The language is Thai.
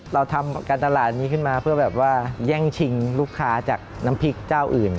เราทำการตลาดนี้ขึ้นมาเพื่อแบบว่าแย่งชิงลูกค้าจากน้ำพริกเจ้าอื่น